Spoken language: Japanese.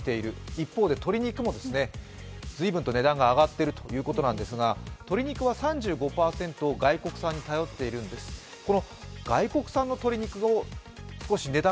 一方で、鶏肉も随分と値段が上がっているということなんですが、鶏肉は３５％を外国産に頼っているです、外国産の鶏肉の値段